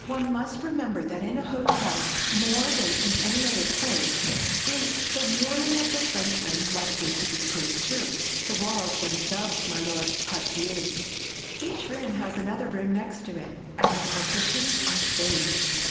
One must remember that in a hotel more than in any other place is the warning of the Frenchman likely to be proved true,—"The walls themselves, my lord, have ears!" Each room has another room next to it, and the partitions are thin.